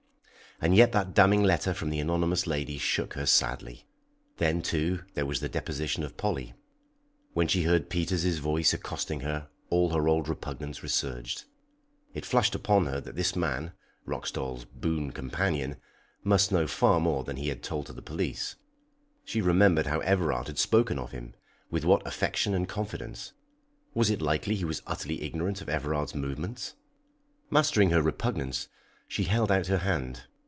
And yet that damning letter from the anonymous lady shook her sadly. Then, too, there was the deposition of Polly. When she heard Peters's voice accosting her all her old repugnance resurged. It flashed upon her that this man Roxdal's boon companion must know far more than he had told to the police. She remembered how Everard had spoken of him, with what affection and confidence! Was it likely he was utterly ignorant of Everard's movements? Mastering her repugnance, she held out her hand.